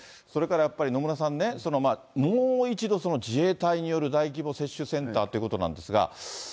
それからやっぱり、野村さんね、もう一度、自衛隊による大規模接種センターということなんですが。